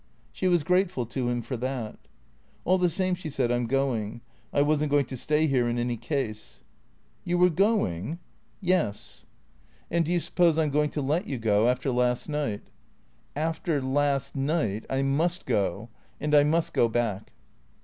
She was grateful to him for that. " All the same," she said, " I 'm going. I was n't going to stay here in any case." " You were going ?"" Yes." 30 480 THECEEATORS " And do you suppose I 'm going to let you go ? After last night?" " After — last — night — I mvM go. And I must go back."